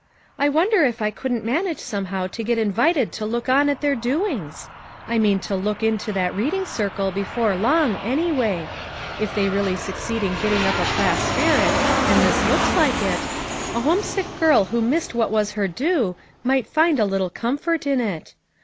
I wonder if I couldn't manage somehow to get invited to look on at their doings? I mean to look into that Reading Circle, before long, any way. If they really succeed in getting up a class spirit — and this looks like it — a homesick girl who missed what was her due, might find a little comfort in it.